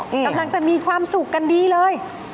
กำลังจะมีความสุขกันดีเลย